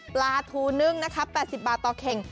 ปลาทูนึ่งนะคะ๘๐บาทต่อเข่ง